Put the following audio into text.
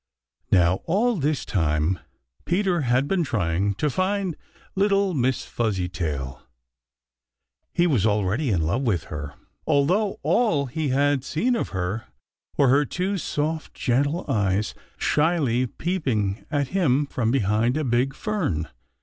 Now all this time Peter had been trying to find little Miss Fuzzytail. He was already in love with her, although all he had seen of her were her two soft, gentle eyes, shyly peeping at him from behind a big fern.